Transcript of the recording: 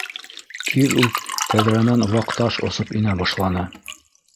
Тиҙ үк тәҙрәнән ваҡ таш осоп инә башланы.